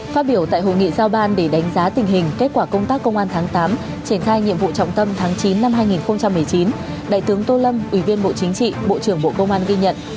phát biểu tại hội nghị giao ban để đánh giá tình hình kết quả công tác công an tháng tám triển khai nhiệm vụ trọng tâm tháng chín năm hai nghìn một mươi chín đại tướng tô lâm ủy viên bộ chính trị bộ trưởng bộ công an ghi nhận